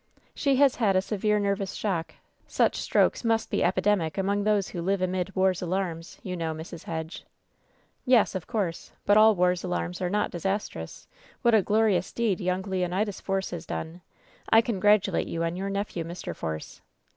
"She has had a severe nervous shock. Such strokes must be epidemic among those who live amid Var's alarms,' you know, Mrs. Hedge." "Yes, of course. But all war'i^jEJarojs are not disas trous. What a glorious deecl young Leonidas Force has done ! I congratulate you on your nephew, Mr. Force."